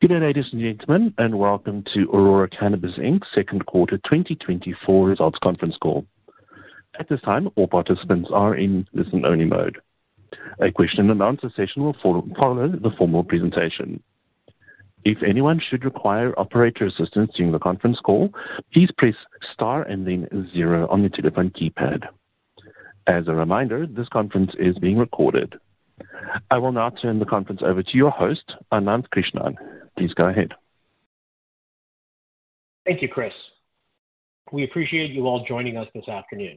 Good day, ladies and gentlemen, and welcome to Aurora Cannabis Inc.'s second quarter 2024 results conference call. At this time, all participants are in listen-only mode. A question and answer session will follow the formal presentation. If anyone should require operator assistance during the conference call, please press Star and then zero on your telephone keypad. As a reminder, this conference is being recorded. I will now turn the conference over to your host, Ananth Krishnan. Please go ahead. Thank you, Chris. We appreciate you all joining us this afternoon.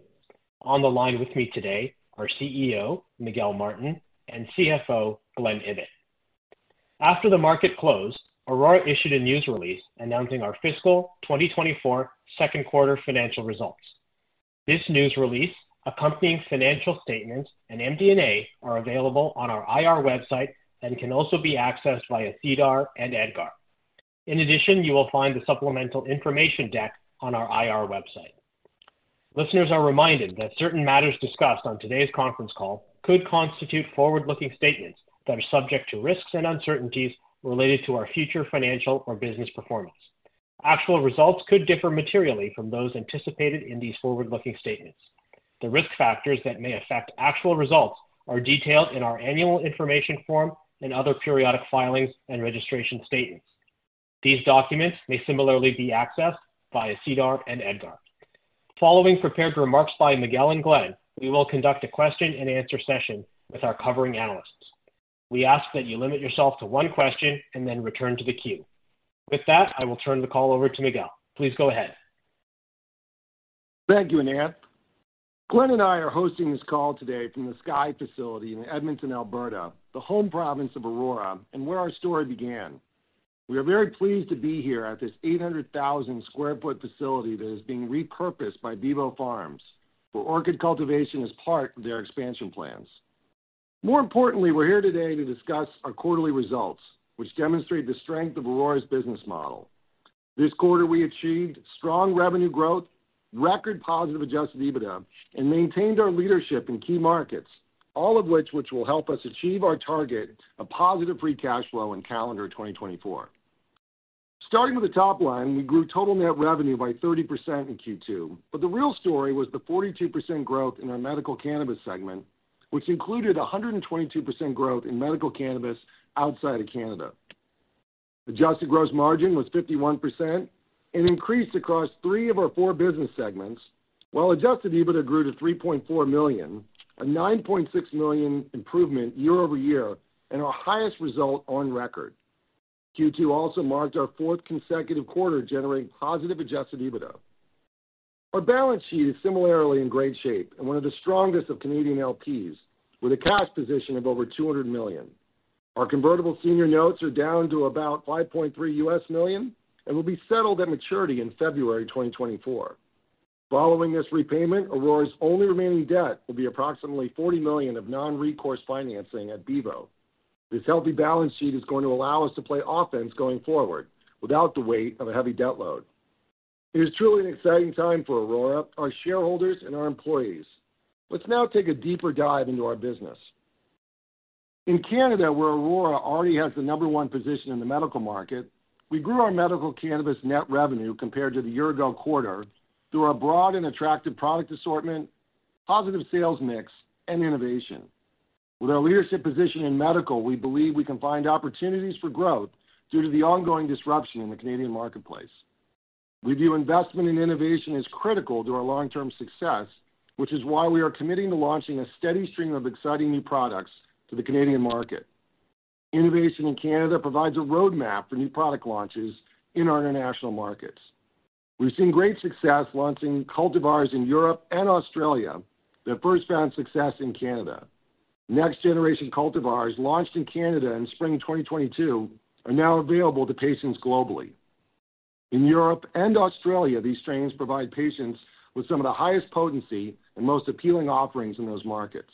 On the line with me today, our CEO, Miguel Martin, and CFO, Glen Ibbott. After the market closed, Aurora issued a news release announcing our fiscal 2024 second quarter financial results. This news release, accompanying financial statements, and MD&A are available on our IR website and can also be accessed via SEDAR and EDGAR. In addition, you will find the supplemental information deck on our IR website. Listeners are reminded that certain matters discussed on today's conference call could constitute forward-looking statements that are subject to risks and uncertainties related to our future financial or business performance. Actual results could differ materially from those anticipated in these forward-looking statements. The risk factors that may affect actual results are detailed in our annual information form and other periodic filings and registration statements. These documents may similarly be accessed via SEDAR and EDGAR. Following prepared remarks by Miguel and Glen, we will conduct a question-and-answer session with our covering analysts. We ask that you limit yourself to one question and then return to the queue. With that, I will turn the call over to Miguel. Please go ahead. Thank you, Ananth. Glen and I are hosting this call today from the Sky facility in Edmonton, Alberta, the home province of Aurora, and where our story began. We are very pleased to be here at this 800,000 sq ft facility that is being repurposed by Bevo Farms, where orchid cultivation is part of their expansion plans. More importantly, we're here today to discuss our quarterly results, which demonstrate the strength of Aurora's business model. This quarter, we achieved strong revenue growth, record positive Adjusted EBITDA, and maintained our leadership in key markets, all of which will help us achieve our target of positive Free Cash Flow in calendar 2024. Starting with the top line, we grew total net revenue by 30% in Q2, but the real story was the 42% growth in our medical cannabis segment, which included a 122% growth in medical cannabis outside of Canada. Adjusted gross margin was 51% and increased across three of our four business segments, while adjusted EBITDA grew to 3.4 million, a 9.6 million improvement year-over-year, and our highest result on record. Q2 also marked our fourth consecutive quarter, generating positive adjusted EBITDA. Our balance sheet is similarly in great shape and one of the strongest of Canadian LPs, with a cash position of over 200 million. Our convertible senior notes are down to about $5.3 million and will be settled at maturity in February 2024. Following this repayment, Aurora's only remaining debt will be approximately 40 million of non-recourse financing at Bevo. This healthy balance sheet is going to allow us to play offense going forward without the weight of a heavy debt load. It is truly an exciting time for Aurora, our shareholders, and our employees. Let's now take a deeper dive into our business. In Canada, where Aurora already has the number one position in the medical market, we grew our medical cannabis net revenue compared to the year-ago quarter through our broad and attractive product assortment, positive sales mix, and innovation. With our leadership position in medical, we believe we can find opportunities for growth due to the ongoing disruption in the Canadian marketplace. We view investment in innovation as critical to our long-term success, which is why we are committing to launching a steady stream of exciting new products to the Canadian market. Innovation in Canada provides a roadmap for new product launches in our international markets. We've seen great success launching cultivars in Europe and Australia that first found success in Canada. Next generation cultivars, launched in Canada in spring 2022, are now available to patients globally. In Europe and Australia, these strains provide patients with some of the highest potency and most appealing offerings in those markets.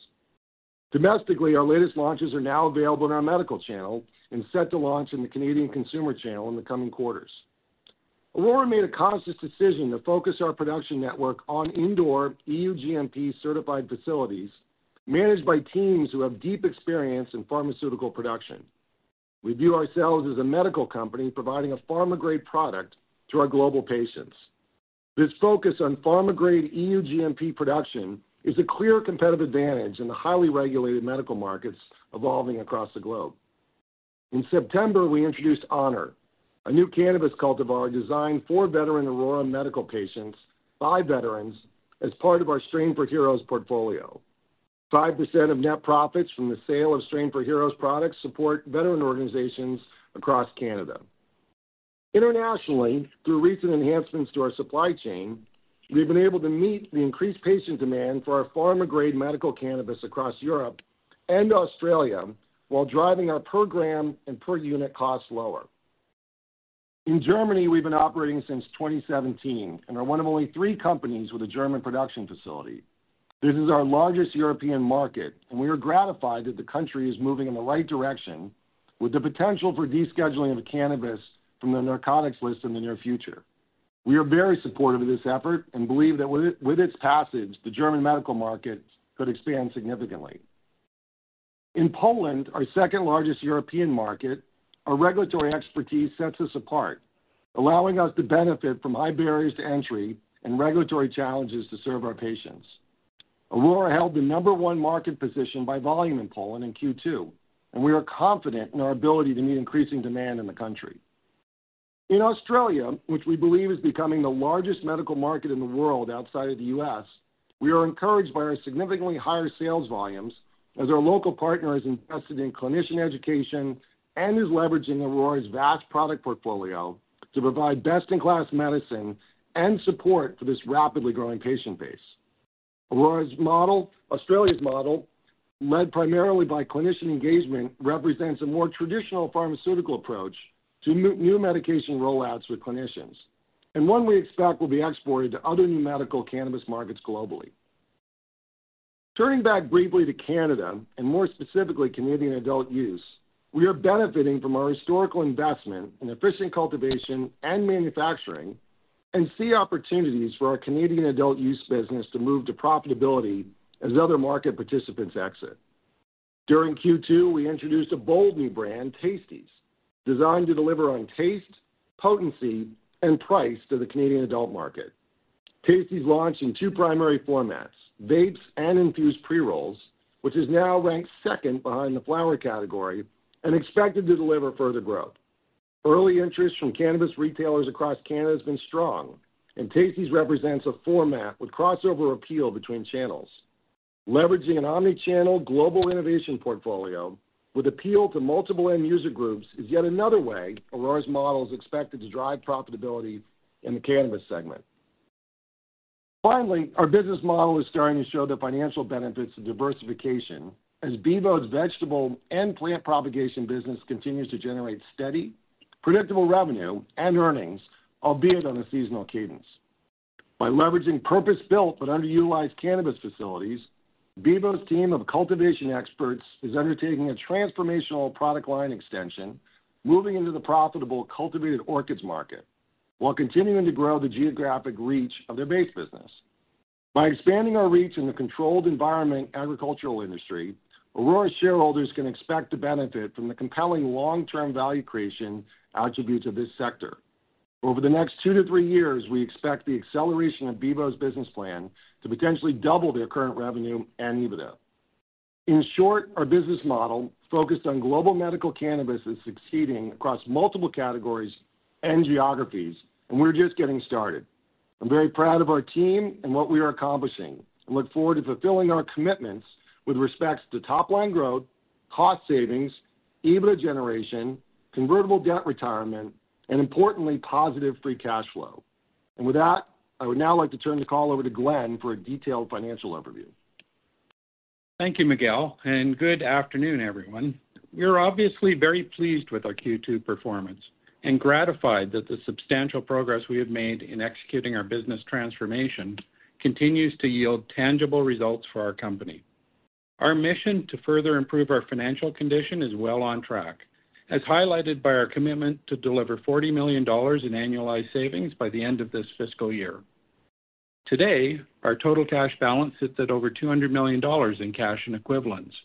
Domestically, our latest launches are now available in our medical channel and set to launch in the Canadian consumer channel in the coming quarters. Aurora made a conscious decision to focus our production network on indoor EU GMP certified facilities, managed by teams who have deep experience in pharmaceutical production. We view ourselves as a medical company providing a pharma-grade product to our global patients. This focus on pharma-grade EU GMP production is a clear competitive advantage in the highly regulated medical markets evolving across the globe. In September, we introduced Honour, a new cannabis cultivar designed for veteran Aurora medical patients by veterans as part of our Strain for Heroes portfolio. 5% of net profits from the sale of Strain for Heroes products support veteran organizations across Canada. Internationally, through recent enhancements to our supply chain, we've been able to meet the increased patient demand for our pharma-grade medical cannabis across Europe and Australia, while driving our per gram and per unit cost lower. In Germany, we've been operating since 2017 and are one of only three companies with a German production facility. This is our largest European market, and we are gratified that the country is moving in the right direction with the potential for descheduling of cannabis from the narcotics list in the near future. We are very supportive of this effort and believe that with its passage, the German medical market could expand significantly. In Poland, our second-largest European market, our regulatory expertise sets us apart, allowing us to benefit from high barriers to entry and regulatory challenges to serve our patients. Aurora held the number one market position by volume in Poland in Q2, and we are confident in our ability to meet increasing demand in the country. In Australia, which we believe is becoming the largest medical market in the world outside of the U.S., we are encouraged by our significantly higher sales volumes as our local partner has invested in clinician education and is leveraging Aurora's vast product portfolio to provide best-in-class medicine and support for this rapidly growing patient base. Aurora's model, Australia's model, led primarily by clinician engagement, represents a more traditional pharmaceutical approach to new medication rollouts with clinicians, and one we expect will be exported to other new medical cannabis markets globally. Turning back briefly to Canada, and more specifically, Canadian adult use, we are benefiting from our historical investment in efficient cultivation and manufacturing, and see opportunities for our Canadian adult use business to move to profitability as other market participants exit. During Q2, we introduced a bold new brand, Tasties, designed to deliver on taste, potency, and price to the Canadian adult market. Tasties launched in two primary formats, vapes and infused pre-rolls, which is now ranked second behind the flower category and expected to deliver further growth. Early interest from cannabis retailers across Canada has been strong, and Tasties represents a format with crossover appeal between channels. Leveraging an omni-channel global innovation portfolio with appeal to multiple end user groups is yet another way Aurora's model is expected to drive profitability in the cannabis segment. Finally, our business model is starting to show the financial benefits of diversification as Bevo's vegetable and plant propagation business continues to generate steady, predictable revenue and earnings, albeit on a seasonal cadence. By leveraging purpose-built but underutilized cannabis facilities, Bevo's team of cultivation experts is undertaking a transformational product line extension, moving into the profitable cultivated orchids market, while continuing to grow the geographic reach of their base business. By expanding our reach in the controlled environment agricultural industry, Aurora's shareholders can expect to benefit from the compelling long-term value creation attributes of this sector. Over the next two to three years, we expect the acceleration of Bevo's business plan to potentially double their current revenue and EBITDA. In short, our business model, focused on global medical cannabis, is succeeding across multiple categories and geographies, and we're just getting started. I'm very proud of our team and what we are accomplishing, and look forward to fulfilling our commitments with respect to top-line growth, cost savings, EBITDA generation, convertible debt retirement, and importantly, positive free cash flow. With that, I would now like to turn the call over to Glen for a detailed financial overview. Thank you, Miguel, and good afternoon, everyone. We're obviously very pleased with our Q2 performance and gratified that the substantial progress we have made in executing our business transformation continues to yield tangible results for our company. Our mission to further improve our financial condition is well on track, as highlighted by our commitment to deliver 40 million dollars in annualized savings by the end of this fiscal year. Today, our total cash balance sits at over 200 million dollars in cash and equivalents,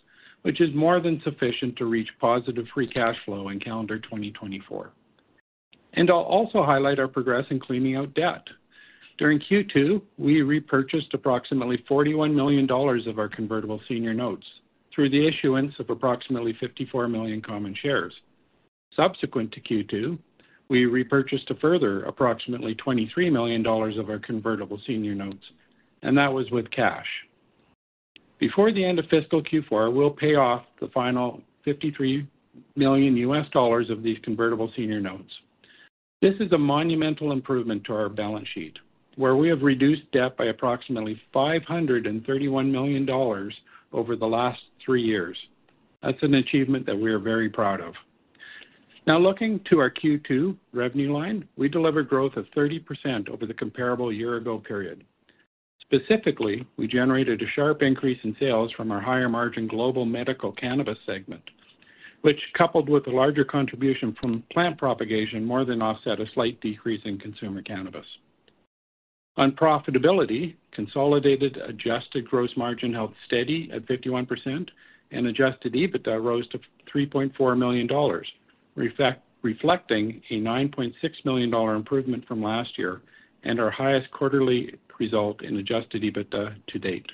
which is more than sufficient to reach positive free cash flow in calendar 2024. And I'll also highlight our progress in cleaning out debt. During Q2, we repurchased approximately $41 million of our convertible senior notes through the issuance of approximately 54 million common shares. Subsequent to Q2, we repurchased a further approximately $23 million of our convertible senior notes, and that was with cash. Before the end of fiscal Q4, we'll pay off the final $53 million of these convertible senior notes. This is a monumental improvement to our balance sheet, where we have reduced debt by approximately $531 million over the last three years. That's an achievement that we are very proud of. Now, looking to our Q2 revenue line, we delivered growth of 30% over the comparable year ago period. Specifically, we generated a sharp increase in sales from our higher-margin global medical cannabis segment, which, coupled with a larger contribution from plant propagation, more than offset a slight decrease in consumer cannabis. On profitability, consolidated adjusted gross margin held steady at 51%, and adjusted EBITDA rose to 3.4 million dollars, reflecting a 9.6 million dollar improvement from last year and our highest quarterly result in adjusted EBITDA to date.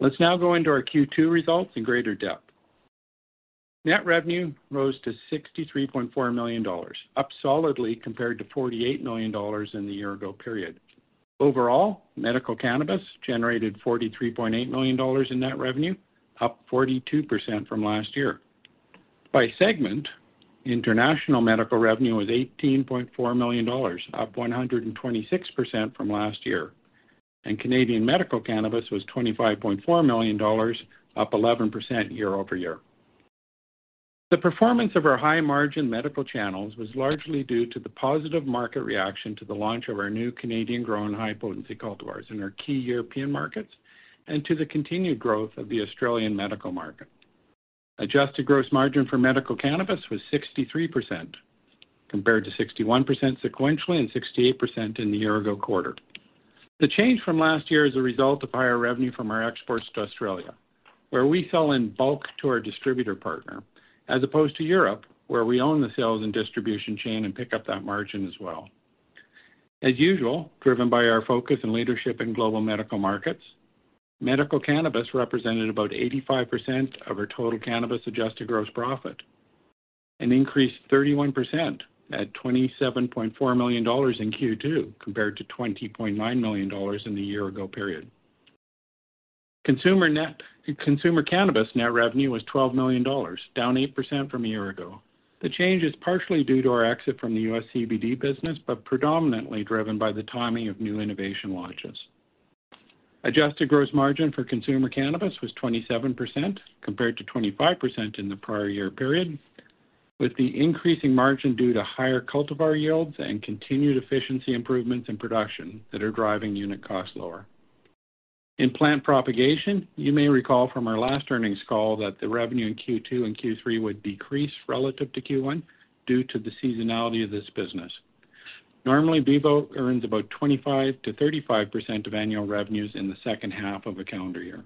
Let's now go into our Q2 results in greater depth. Net revenue rose to 63.4 million dollars, up solidly compared to 48 million dollars in the year ago period. Overall, medical cannabis generated 43.8 million dollars in net revenue, up 42% from last year. By segment, international medical revenue was 18.4 million dollars, up 126% from last year, and Canadian medical cannabis was 25.4 million dollars, up 11% year-over-year. The performance of our high-margin medical channels was largely due to the positive market reaction to the launch of our new Canadian-grown, high-potency cultivars in our key European markets and to the continued growth of the Australian medical market. Adjusted Gross Margin for medical cannabis was 63%, compared to 61% sequentially and 68% in the year ago quarter. The change from last year is a result of higher revenue from our exports to Australia, where we sell in bulk to our distributor partner, as opposed to Europe, where we own the sales and distribution chain and pick up that margin as well. As usual, driven by our focus and leadership in global medical markets, medical cannabis represented about 85% of our total cannabis adjusted gross profit, an increase 31% at 27.4 million dollars in Q2, compared to 20.9 million dollars in the year ago period. Consumer cannabis net revenue was 12 million dollars, down 8% from a year ago. The change is partially due to our exit from the U.S. CBD business, but predominantly driven by the timing of new innovation launches. Adjusted gross margin for consumer cannabis was 27%, compared to 25% in the prior year period, with the increasing margin due to higher cultivar yields and continued efficiency improvements in production that are driving unit costs lower. In plant propagation, you may recall from our last earnings call that the revenue in Q2 and Q3 would decrease relative to Q1 due to the seasonality of this business. Normally, Bevo earns about 25%-35% of annual revenues in the second half of a calendar year.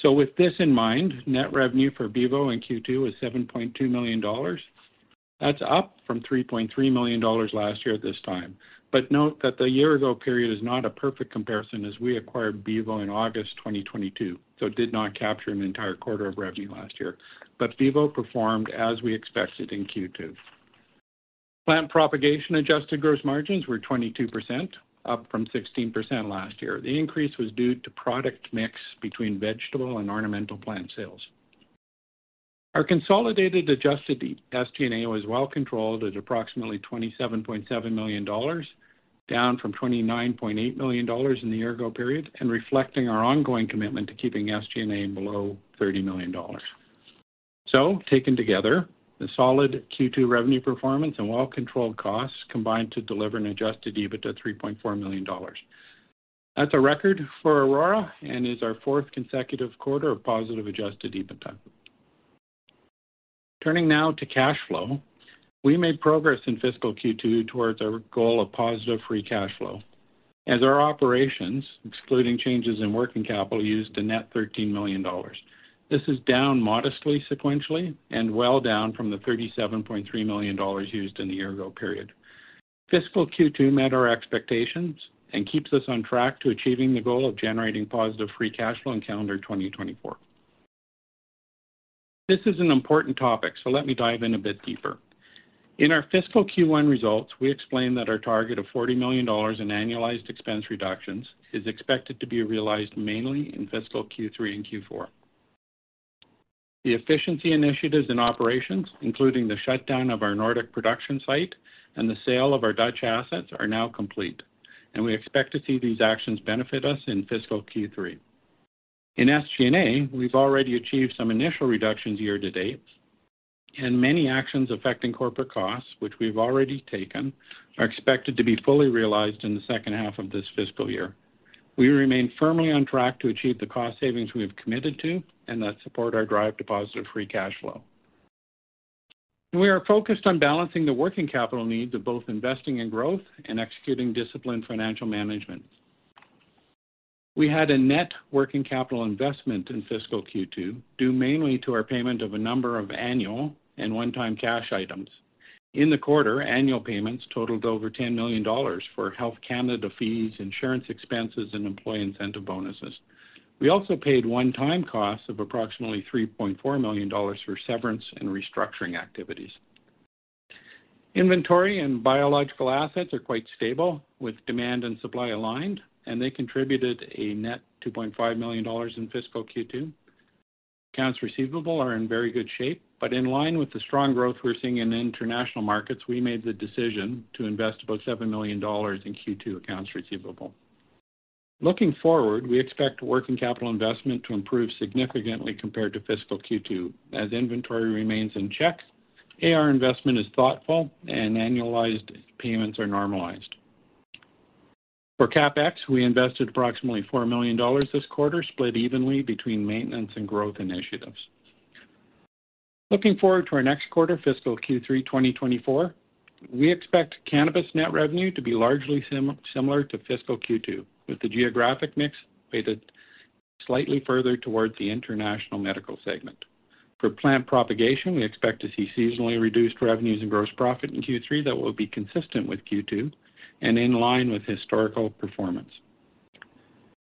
So with this in mind, net revenue for Bevo in Q2 was 7.2 million dollars. That's up from 3.3 million dollars last year at this time. But note that the year ago period is not a perfect comparison, as we acquired Bevo in August 2022, so it did not capture an entire quarter of revenue last year. But Bevo performed as we expected in Q2. Plant propagation adjusted gross margins were 22%, up from 16% last year. The increase was due to product mix between vegetable and ornamental plant sales. Our consolidated adjusted SG&A was well controlled at approximately 27.7 million dollars, down from 29.8 million dollars in the year ago period, and reflecting our ongoing commitment to keeping SG&A below 30 million dollars. So taken together, the solid Q2 revenue performance and well-controlled costs combined to deliver an adjusted EBITDA of 3.4 million dollars. That's a record for Aurora and is our fourth consecutive quarter of positive adjusted EBITDA. Turning now to cash flow. We made progress in fiscal Q2 towards our goal of positive free cash flow, as our operations, excluding changes in working capital, used a net 13 million dollars. This is down modestly, sequentially, and well down from the 37.3 million dollars used in the year ago period. Fiscal Q2 met our expectations and keeps us on track to achieving the goal of generating positive free cash flow in calendar 2024. This is an important topic, so let me dive in a bit deeper. In our fiscal Q1 results, we explained that our target of 40 million dollars in annualized expense reductions is expected to be realized mainly in fiscal Q3 and Q4. The efficiency initiatives and operations, including the shutdown of our Nordic production site and the sale of our Dutch assets, are now complete, and we expect to see these actions benefit us in fiscal Q3. In SG&A, we've already achieved some initial reductions year to date, and many actions affecting corporate costs, which we've already taken, are expected to be fully realized in the second half of this fiscal year. We remain firmly on track to achieve the cost savings we have committed to and that support our drive to positive free cash flow. We are focused on balancing the working capital needs of both investing in growth and executing disciplined financial management. We had a net working capital investment in fiscal Q2, due mainly to our payment of a number of annual and one-time cash items. In the quarter, annual payments totaled over 10 million dollars for Health Canada fees, insurance expenses, and employee incentive bonuses. We also paid one-time costs of approximately 3.4 million dollars for severance and restructuring activities. Inventory and biological assets are quite stable, with demand and supply aligned, and they contributed a net 2.5 million dollars in fiscal Q2. Accounts receivable are in very good shape, but in line with the strong growth we're seeing in international markets, we made the decision to invest about 7 million dollars in Q2 accounts receivable. Looking forward, we expect working capital investment to improve significantly compared to fiscal Q2, as inventory remains in check, AR investment is thoughtful, and annualized payments are normalized. For CapEx, we invested approximately 4 million dollars this quarter, split evenly between maintenance and growth initiatives. Looking forward to our next quarter, fiscal Q3 2024, we expect cannabis net revenue to be largely similar to fiscal Q2, with the geographic mix weighted slightly further towards the international medical segment. For plant propagation, we expect to see seasonally reduced revenues and gross profit in Q3 that will be consistent with Q2 and in line with historical performance.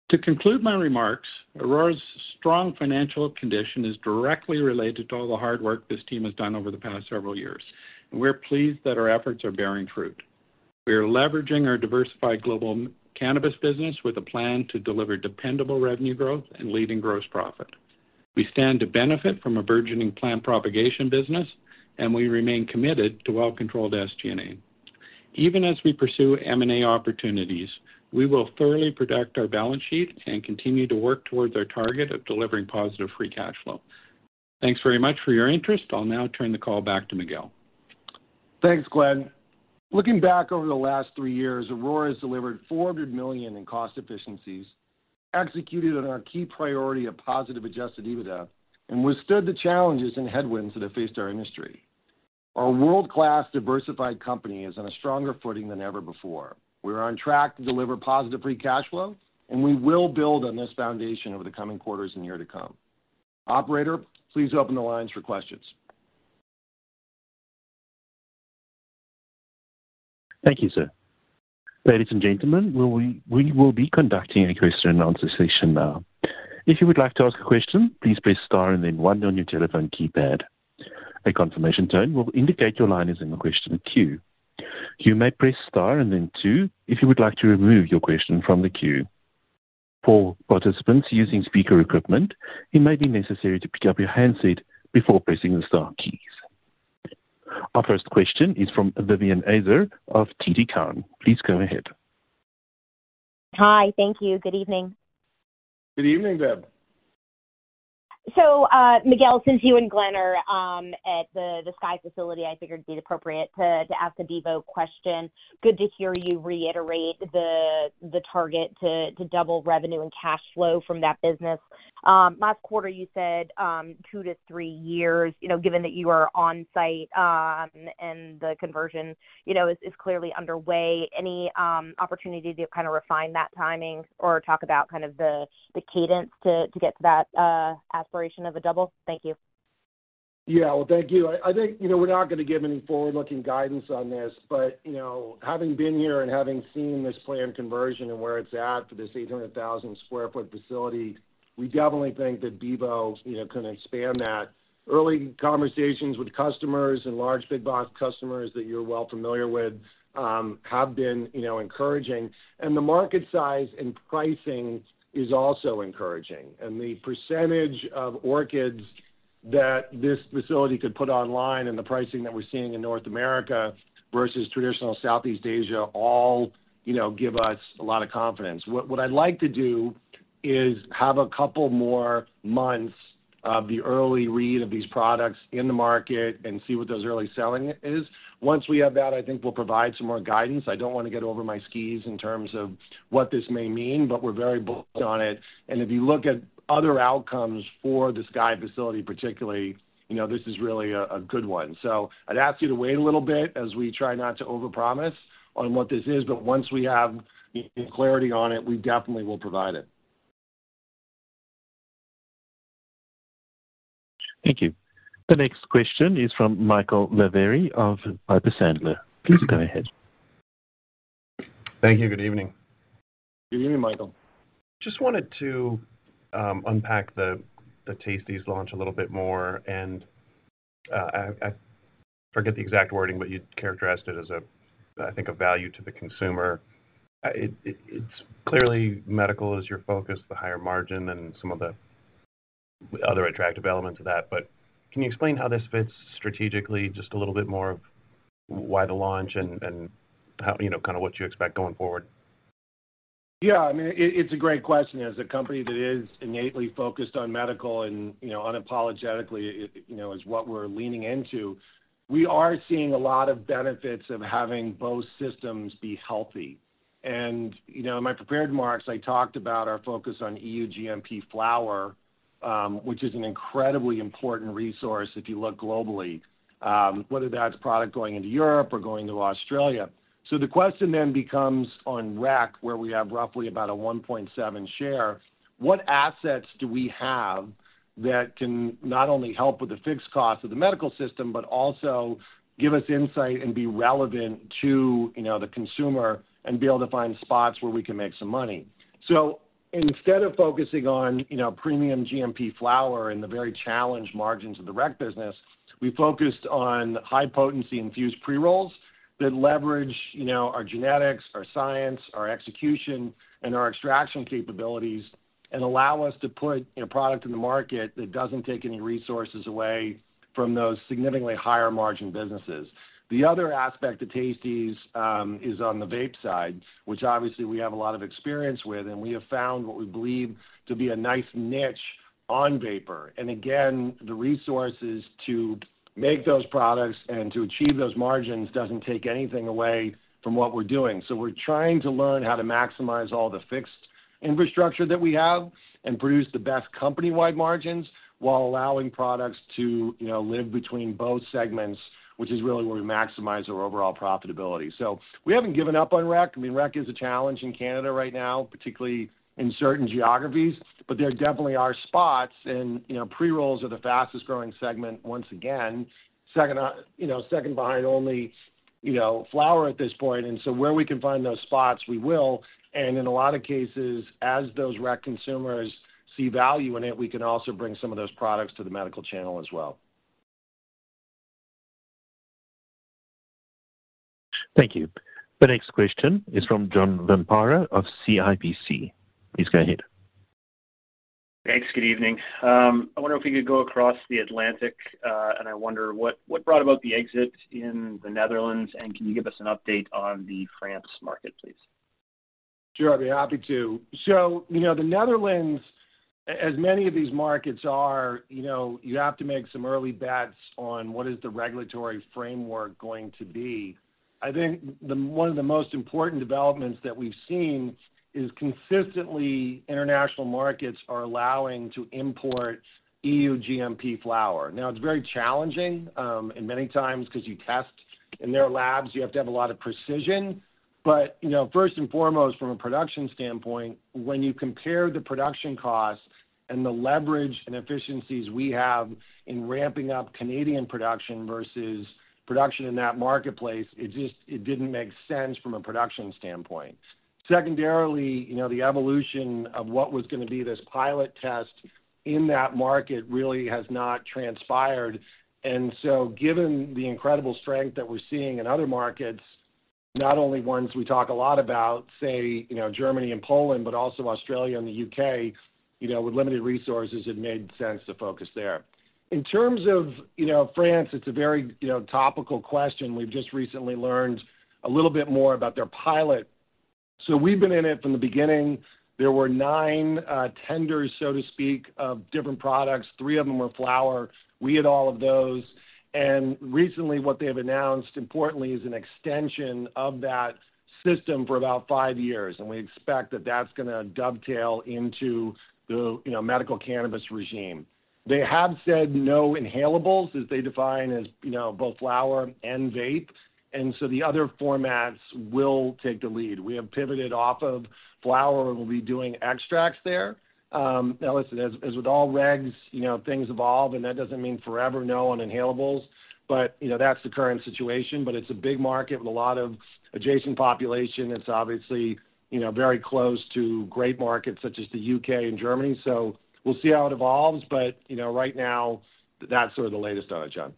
To conclude my remarks, Aurora's strong financial condition is directly related to all the hard work this team has done over the past several years, and we're pleased that our efforts are bearing fruit. We are leveraging our diversified global cannabis business with a plan to deliver dependable revenue growth and leading gross profit. We stand to benefit from a burgeoning plant propagation business, and we remain committed to well-controlled SG&A. Even as we pursue M&A opportunities, we will thoroughly protect our balance sheet and continue to work towards our target of delivering positive free cash flow. Thanks very much for your interest. I'll now turn the call back to Miguel.... Thanks, Glen. Looking back over the last three years, Aurora has delivered 400 million in cost efficiencies, executed on our key priority of positive Adjusted EBITDA, and withstood the challenges and headwinds that have faced our industry. Our world-class diversified company is on a stronger footing than ever before. We are on track to deliver positive Free Cash Flow, and we will build on this foundation over the coming quarters and year to come. Operator, please open the lines for questions. Thank you, sir. Ladies and gentlemen, we will be conducting a question and answer session now. If you would like to ask a question, please press Star and then one on your telephone keypad. A confirmation tone will indicate your line is in the question queue. You may press Star and then two, if you would like to remove your question from the queue. For participants using speaker equipment, it may be necessary to pick up your handset before pressing the star keys. Our first question is from Vivien Azer of TD Cowen. Please go ahead. Hi. Thank you. Good evening. Good evening, Viv. So, Miguel, since you and Glenn are at the Sky facility, I figured it'd be appropriate to ask a Bevo question. Good to hear you reiterate the target to double revenue and cash flow from that business. Last quarter, you said two to three years, you know, given that you are on site, and the conversion, you know, is clearly underway. Any opportunity to kind of refine that timing or talk about kind of the cadence to get to that aspiration of a double? Thank you. Yeah, well, thank you. I think, you know, we're not going to give any forward-looking guidance on this, but, you know, having been here and having seen this planned conversion and where it's at for this 800,000 sq ft facility, we definitely think that Bevo, you know, can expand that. Early conversations with customers and large big box customers that you're well familiar with have been, you know, encouraging, and the market size and pricing is also encouraging. And the percentage of orchids that this facility could put online and the pricing that we're seeing in North America versus traditional Southeast Asia, all, you know, give us a lot of confidence. What I'd like to do is have a couple more months of the early read of these products in the market and see what those early selling is. Once we have that, I think we'll provide some more guidance. I don't want to get over my skis in terms of what this may mean, but we're very bullish on it. And if you look at other outcomes for the Sky facility, particularly, you know, this is really a good one. So I'd ask you to wait a little bit as we try not to overpromise on what this is, but once we have clarity on it, we definitely will provide it. Thank you. The next question is from Michael Lavery of Piper Sandler. Please go ahead. Thank you. Good evening. Good evening, Michael. Just wanted to unpack the Tasties launch a little bit more, and I forget the exact wording, but you characterized it as a, I think, a value to the consumer. It's clearly medical is your focus, the higher margin and some of the other attractive elements of that. But can you explain how this fits strategically, just a little bit more of why the launch and how, you know, kind of what you expect going forward? Yeah, I mean, it's a great question. As a company that is innately focused on medical and, you know, unapologetically, you know, is what we're leaning into, we are seeing a lot of benefits of having both systems be healthy. And, you know, in my prepared remarks, I talked about our focus on EU GMP flower, which is an incredibly important resource if you look globally, whether that's product going into Europe or going to Australia. So the question then becomes on rec, where we have roughly about a 1.7 share, what assets do we have that can not only help with the fixed cost of the medical system, but also give us insight and be relevant to, you know, the consumer and be able to find spots where we can make some money? So instead of focusing on, you know, premium GMP flower and the very challenged margins of the rec business, we focused on high-potency infused pre-rolls that leverage, you know, our genetics, our science, our execution, and our extraction capabilities and allow us to put a product in the market that doesn't take any resources away from those significantly higher margin businesses. The other aspect of Tasties is on the vape side, which obviously we have a lot of experience with, and we have found what we believe to be a nice niche on vapor. And again, the resources to make those products and to achieve those margins doesn't take anything away from what we're doing. So we're trying to learn how to maximize all the fixed infrastructure that we have and produce the best company-wide margins while allowing products to, you know, live between both segments, which is really where we maximize our overall profitability. So we haven't given up on rec. I mean, rec is a challenge in Canada right now, particularly in certain geographies, but there definitely are spots and, you know, pre-rolls are the fastest-growing segment once again, second, you know, second behind only, you know, flower at this point. And so where we can find those spots, we will, and in a lot of cases, as those rec consumers see value in it, we can also bring some of those products to the medical channel as well. Thank you. The next question is from John Zamparo of CIBC. Please go ahead. Thanks. Good evening. I wonder if we could go across the Atlantic, and I wonder what brought about the exit in the Netherlands, and can you give us an update on the France market, please?... Sure, I'd be happy to. So, you know, the Netherlands, as many of these markets are, you know, you have to make some early bets on what is the regulatory framework going to be. I think the one of the most important developments that we've seen is consistently, international markets are allowing to import EU GMP flower. Now, it's very challenging, and many times because you test in their labs, you have to have a lot of precision. But, you know, first and foremost, from a production standpoint, when you compare the production costs and the leverage and efficiencies we have in ramping up Canadian production versus production in that marketplace, it just, it didn't make sense from a production standpoint. Secondarily, you know, the evolution of what was going to be this pilot test in that market really has not transpired. And so, given the incredible strength that we're seeing in other markets, not only ones we talk a lot about, say, you know, Germany and Poland, but also Australia and the UK, you know, with limited resources, it made sense to focus there. In terms of, you know, France, it's a very, you know, topical question. We've just recently learned a little bit more about their pilot. So we've been in it from the beginning. There were nine tenders, so to speak, of different products. Three of them were flower. We had all of those. And recently, what they have announced, importantly, is an extension of that system for about five years, and we expect that that's gonna dovetail into the, you know, medical cannabis regime. They have said no inhalables, as they define as, you know, both flower and vape, and so the other formats will take the lead. We have pivoted off of flower, and we'll be doing extracts there. Now, listen, as with all regs, you know, things evolve, and that doesn't mean forever no on inhalables, but, you know, that's the current situation, but it's a big market with a lot of adjacent population. It's obviously, you know, very close to great markets such as the UK and Germany. So we'll see how it evolves, but, you know, right now, that's sort of the latest on it, John.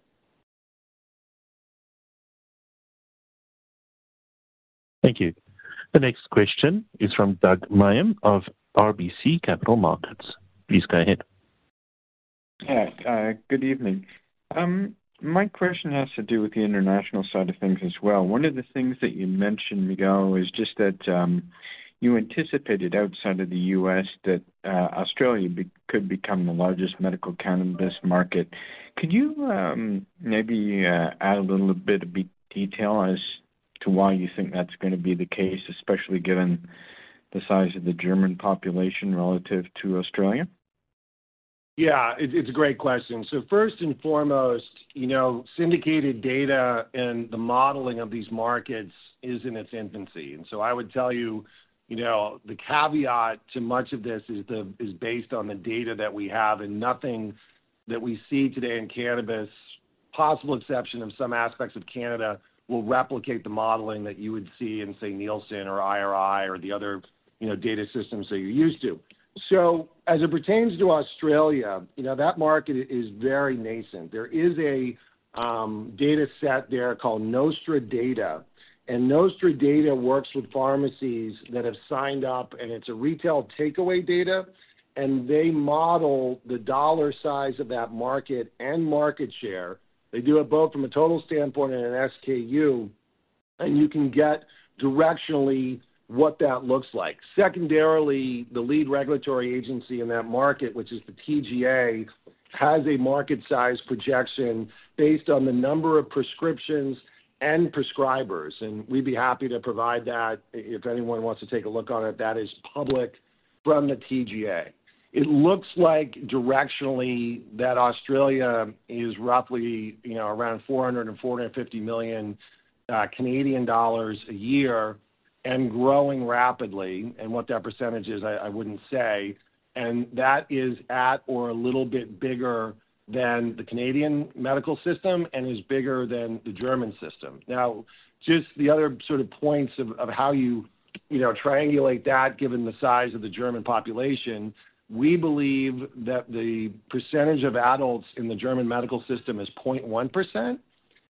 Thank you. The next question is from Doug Miehm of RBC Capital Markets. Please go ahead. Hi, good evening. My question has to do with the international side of things as well. One of the things that you mentioned, Miguel, is just that, you anticipated outside of the U.S., that, Australia could become the largest medical cannabis market. Could you, maybe, add a little bit of detail as to why you think that's going to be the case, especially given the size of the German population relative to Australia? Yeah, it's a great question. So first and foremost, you know, syndicated data and the modeling of these markets is in its infancy. And so I would tell you, you know, the caveat to much of this is based on the data that we have, and nothing that we see today in cannabis, possible exception of some aspects of Canada, will replicate the modeling that you would see in, say, Nielsen or IRI or the other, you know, data systems that you're used to. So as it pertains to Australia, you know, that market is very nascent. There is a data set there called NostraData, and NostraData works with pharmacies that have signed up, and it's a retail takeaway data, and they model the dollar size of that market and market share. They do it both from a total standpoint and an SKU, and you can get directionally what that looks like. Secondarily, the lead regulatory agency in that market, which is the TGA, has a market size projection based on the number of prescriptions and prescribers, and we'd be happy to provide that if anyone wants to take a look on it. That is public from the TGA. It looks like directionally that Australia is roughly, you know, around 400 million-450 million Canadian dollars a year and growing rapidly, and what that percentage is, I, I wouldn't say. That is at or a little bit bigger than the Canadian medical system and is bigger than the German system. Now, just the other sort of points of, of how you, you know, triangulate that, given the size of the German population, we believe that the percentage of adults in the German medical system is 0.1%,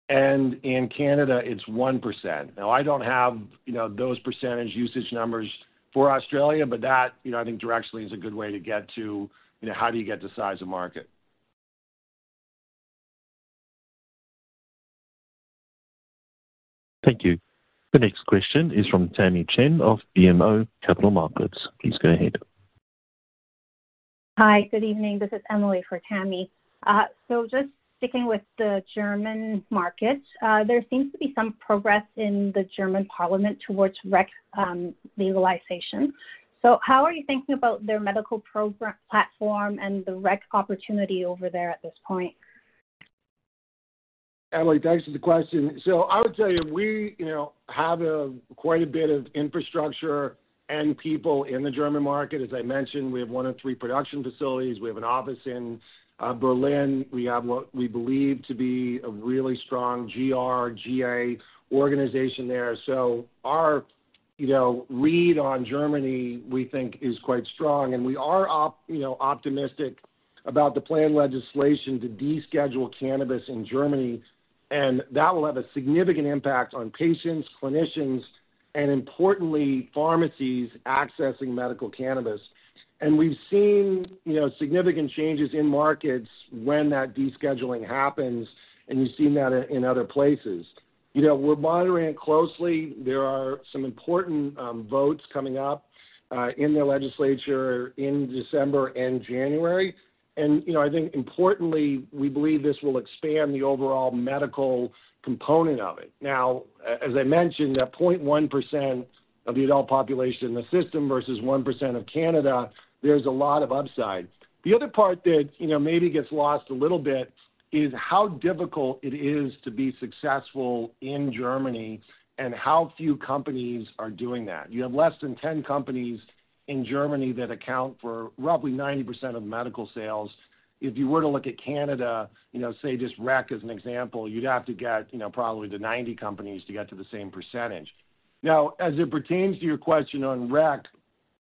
and in Canada, it's 1%. Now, I don't have, you know, those percentage usage numbers for Australia, but that, you know, I think directionally is a good way to get to, you know, how do you get the size of market? Thank you. The next question is from Tammy Chen of BMO Capital Markets. Please go ahead. Hi, good evening. This is Emily for Tammy Chen. So just sticking with the German market, there seems to be some progress in the German parliament towards rec legalization. So how are you thinking about their medical program platform and the rec opportunity over there at this point? Emily, thanks for the question. So I would tell you, we, you know, have a quite a bit of infrastructure and people in the German market. As I mentioned, we have one of three production facilities. We have an office in Berlin. We have what we believe to be a really strong GR, GA organization there. So our, you know, read on Germany, we think is quite strong, and we are, you know, optimistic about the planned legislation to deschedule cannabis in Germany, and that will have a significant impact on patients, clinicians, and importantly, pharmacies accessing medical cannabis. And we've seen, you know, significant changes in markets when that descheduling happens, and we've seen that in other places.... You know, we're monitoring it closely. There are some important votes coming up in the legislature in December and January. You know, I think importantly, we believe this will expand the overall medical component of it. Now, as I mentioned, that 0.1% of the adult population in the system versus 1% of Canada, there's a lot of upside. The other part that, you know, maybe gets lost a little bit, is how difficult it is to be successful in Germany and how few companies are doing that. You have less than 10 companies in Germany that account for roughly 90% of medical sales. If you were to look at Canada, you know, say, just rec as an example, you'd have to get, you know, probably to 90 companies to get to the same percentage. Now, as it pertains to your question on rec,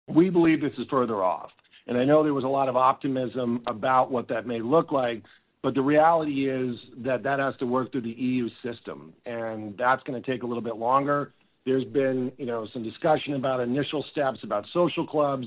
we believe this is further off, and I know there was a lot of optimism about what that may look like, but the reality is that that has to work through the EU system, and that's gonna take a little bit longer. There's been, you know, some discussion about initial steps, about social clubs,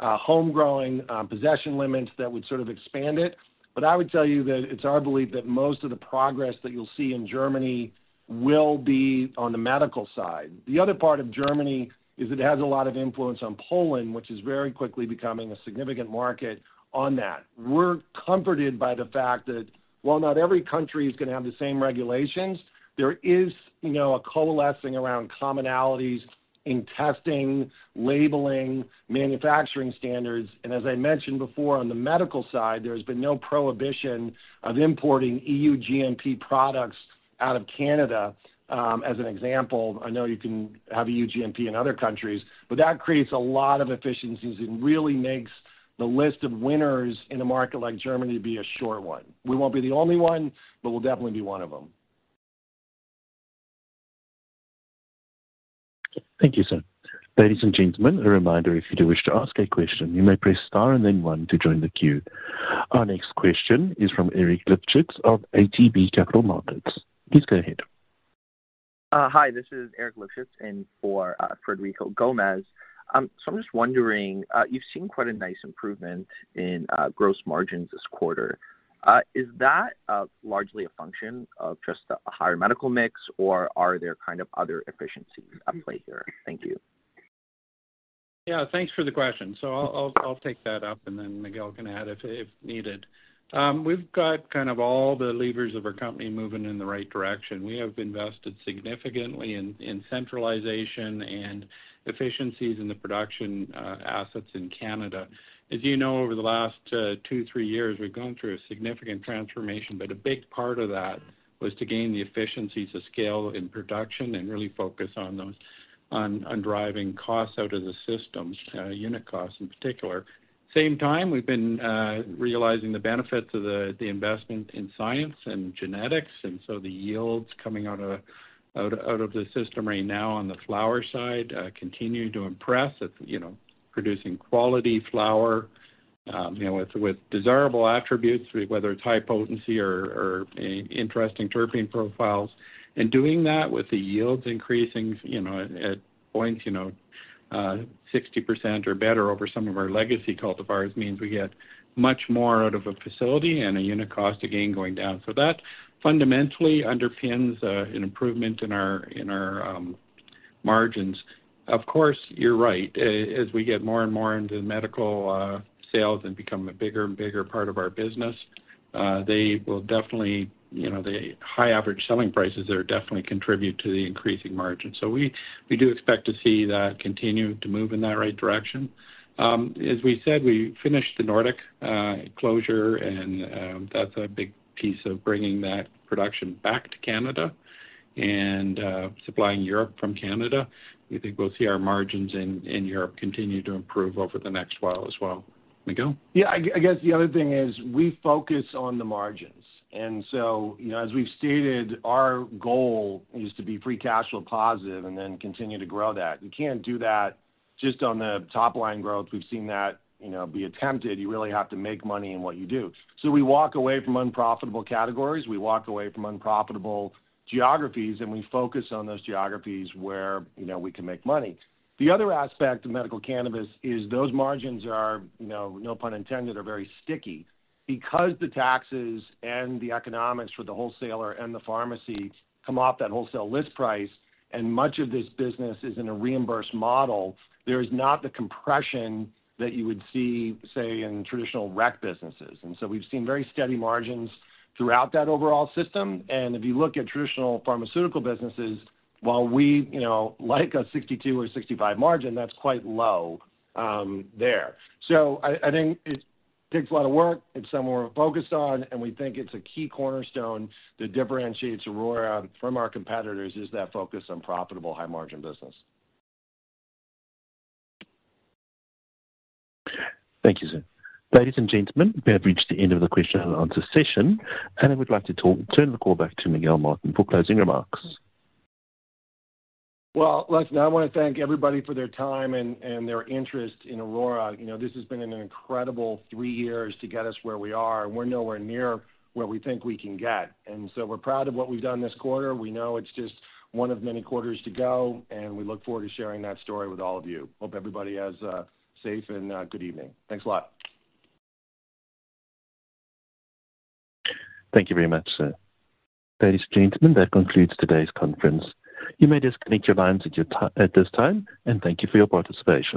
home growing, possession limits that would sort of expand it. But I would tell you that it's our belief that most of the progress that you'll see in Germany will be on the medical side. The other part of Germany is it has a lot of influence on Poland, which is very quickly becoming a significant market on that. We're comforted by the fact that while not every country is gonna have the same regulations, there is, you know, a coalescing around commonalities in testing, labeling, manufacturing standards, and as I mentioned before, on the medical side, there's been no prohibition of importing EU GMP products out of Canada. As an example, I know you can have EU GMP in other countries, but that creates a lot of efficiencies and really makes the list of winners in a market like Germany be a short one. We won't be the only one, but we'll definitely be one of them. Thank you, sir. Ladies and gentlemen, a reminder, if you do wish to ask a question, you may press Star and then one to join the queue. Our next question is from Eric Fry of ATB Capital Markets. Please go ahead. Hi, this is Eric Lipschitz in for Frederico Gomes. So I'm just wondering, you've seen quite a nice improvement in gross margins this quarter. Is that largely a function of just the higher medical mix, or are there kind of other efficiencies at play here? Thank you. Yeah, thanks for the question. So I'll take that up, and then Miguel can add if needed. We've got kind of all the levers of our company moving in the right direction. We have invested significantly in centralization and efficiencies in the production assets in Canada. As you know, over the last two, three years, we've gone through a significant transformation, but a big part of that was to gain the efficiencies of scale in production and really focus on those, on driving costs out of the system, unit costs in particular. Same time, we've been realizing the benefits of the investment in science and genetics, and so the yields coming out of the system right now on the flower side continue to impress. It's, you know, producing quality flower, you know, with, with desirable attributes, whether it's high potency or, or interesting terpene profiles. And doing that with the yields increasing, you know, at points, you know, 60% or better over some of our legacy cultivars, means we get much more out of a facility and a unit cost, again, going down. So that fundamentally underpins, an improvement in our, in our, margins. Of course, you're right. As we get more and more into the medical, sales and become a bigger and bigger part of our business, they will definitely... You know, the high average selling prices are definitely contribute to the increasing margins. So we, we do expect to see that continue to move in that right direction. As we said, we finished the Nordic closure, and that's a big piece of bringing that production back to Canada and supplying Europe from Canada. We think we'll see our margins in, in Europe continue to improve over the next while as well. Miguel? Yeah, I guess the other thing is we focus on the margins. So, you know, as we've stated, our goal is to be free cash flow positive and then continue to grow that. You can't do that just on the top-line growth. We've seen that, you know, be attempted. You really have to make money in what you do. So we walk away from unprofitable categories, we walk away from unprofitable geographies, and we focus on those geographies where, you know, we can make money. The other aspect of medical cannabis is those margins are, you know, no pun intended, very sticky. Because the taxes and the economics for the wholesaler and the pharmacy come off that wholesale list price, and much of this business is in a reimbursed model, there is not the compression that you would see, say, in traditional rec businesses. So we've seen very steady margins throughout that overall system. And if you look at traditional pharmaceutical businesses, while we, you know, like a 62 or 65 margin, that's quite low, there. So I think it takes a lot of work, it's something we're focused on, and we think it's a key cornerstone that differentiates Aurora from our competitors, is that focus on profitable, high-margin business. Thank you, sir. Ladies and gentlemen, we have reached the end of the question and answer session, and I would like to turn the call back to Miguel Martin for closing remarks. Well, listen, I want to thank everybody for their time and their interest in Aurora. You know, this has been an incredible three years to get us where we are, and we're nowhere near where we think we can get. And so we're proud of what we've done this quarter. We know it's just one of many quarters to go, and we look forward to sharing that story with all of you. Hope everybody has a safe and good evening. Thanks a lot. Thank you very much, sir. Ladies and gentlemen, that concludes today's conference. You may disconnect your lines at this time, and thank you for your participation.